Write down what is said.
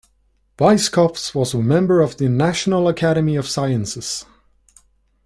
Weisskopf was a member of the National Academy of Sciences.